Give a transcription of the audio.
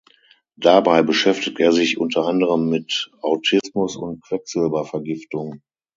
Dabei beschäftigt er sich unter anderem mit Autismus und Quecksilbervergiftung.